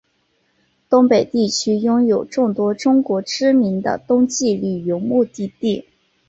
东北地区拥有众多中国知名的冬季旅游目的地。